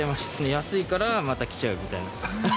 安いからまた来ちゃうみたいな。